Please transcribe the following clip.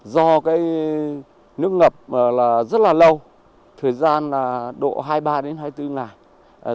do cái nước ngập là rất là lâu thời gian độ hai mươi ba đến hai mươi bốn ngày